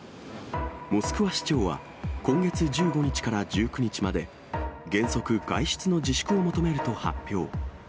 モスクワ市長は、今月１５日から１９日まで、原則、外出の自粛を求めると発表。